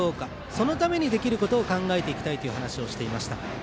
そのためにできることを考えていきたいと話をしていました。